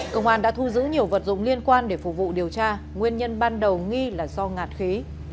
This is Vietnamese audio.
công an đã thu giữ nhiều vật dụng liên quan để phục vụ điều tra nguyên nhân ban đầu nghi là do ngạt khí